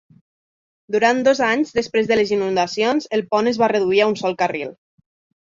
Durant dos anys després de les inundacions, el pont es va reduir a un sol carril.